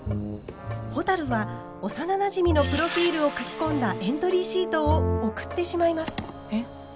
ほたるは幼なじみのプロフィールを書き込んだエントリーシートを送ってしまいます。